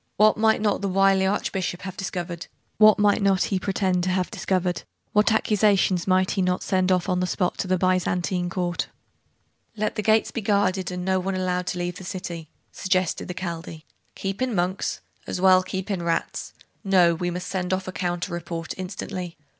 What might not the wily archbishop have discovered? What might not he pretend to have discovered? What accusations might he not send off on the spot to the Byzantine Court? 'Let the gates be guarded, and no one allowed to leave the city,' suggested the Chaldee. 'Keep in monks? as well keep in rats! No; we must send off a counter report, instantly.